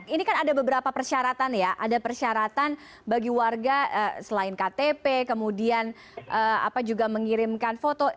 ini kan ada beberapa persyaratan ya ada persyaratan bagi warga selain ktp kemudian juga mengirimkan foto